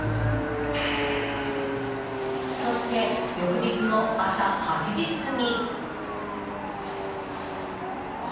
そして、翌日の朝８時過ぎ。